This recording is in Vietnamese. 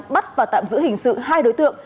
bắt và tạm giữ hình sự hai đối tượng